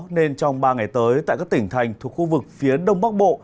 nên trong ba ngày tới tại các tỉnh thành thuộc khu vực phía đông bắc bộ